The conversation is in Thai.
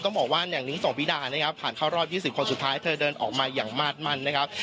ต้องบอกว่านิ่งสวบีดาผ่านเข้ารอบ๒๐คนสุดท้ายเธอเดินออกมาอย่างมากมันนะครับ